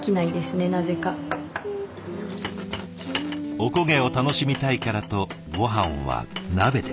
お焦げを楽しみたいからとごはんは鍋で。